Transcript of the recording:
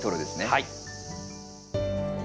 はい。